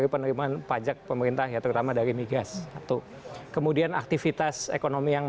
pemerintahan joko widodo